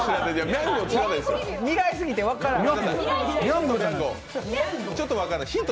未来すぎて分からん。